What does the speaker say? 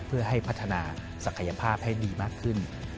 เพื่อให้พัฒนาศักยภาพให้ดีมากขึ้น